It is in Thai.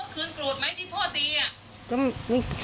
คืนโกรธไหมที่พ่อตีอ่ะ